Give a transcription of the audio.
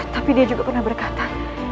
tapi dia juga pernah berkata